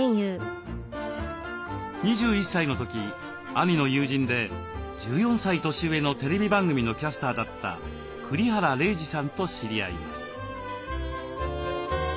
２１歳の時兄の友人で１４歳年上のテレビ番組のキャスターだった栗原玲児さんと知り合います。